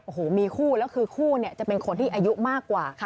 โอ้โหมีคู่แล้วคือคู่เนี่ยจะเป็นคนที่อายุมากกว่า